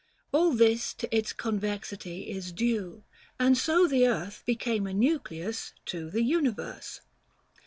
All this to its convexity is due, And so the earth became a nucleus to The universe.